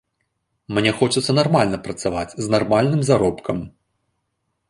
Мне хочацца нармальна працаваць з нармальны заробкам.